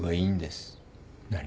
何？